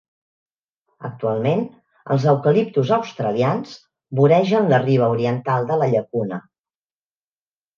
Actualment, els eucaliptus australians voregen la riba oriental de la llacuna.